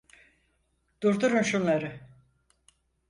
Durdurun şunları!